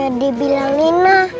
kalau dibilang nina